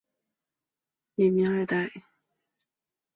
吏民爱戴。